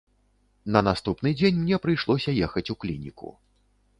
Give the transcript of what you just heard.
На наступны дзень мне прыйшлося ехаць у клініку.